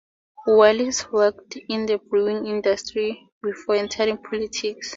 Wallis worked in the brewing industry before entering politics.